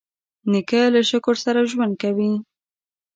نیکه له شکر سره ژوند کوي.